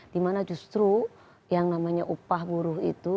dimana justru yang namanya upah buruh itu